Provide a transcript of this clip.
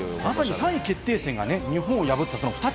３位決定戦が日本を破った２